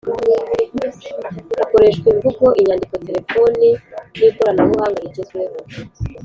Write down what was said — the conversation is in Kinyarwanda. Hakoreshwa imvugo, inyandiko, terefoni nikoranabuhanga rigezweho